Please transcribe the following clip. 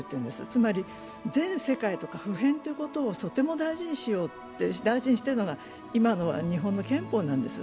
つまり全世界とか普遍ということをとても大事にしているのが今の日本の憲法なんです。